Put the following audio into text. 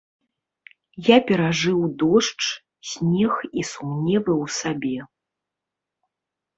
Я перажыў дождж, снег і сумневы ў сабе.